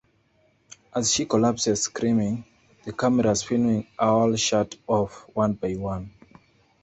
As she collapses screaming, the cameras filming all shut off, one by one.